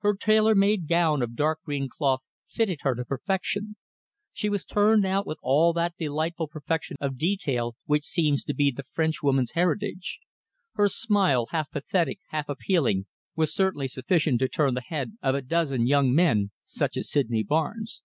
Her tailor made gown of dark green cloth fitted her to perfection; she was turned out with all that delightful perfection of detail which seems to be the Frenchwoman's heritage. Her smile, half pathetic, half appealing, was certainly sufficient to turn the head of a dozen young men such as Sydney Barnes.